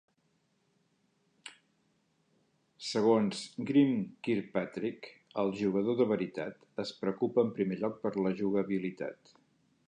Segons Graeme Kirkpatrick, el "jugador de veritat" es preocupa en primer lloc per la jugabilitat.